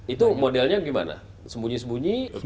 itu modelnya gimana sembunyi sembunyi